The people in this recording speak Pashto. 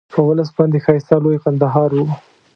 په ولس باندې ښایسته لوی کندهار وو.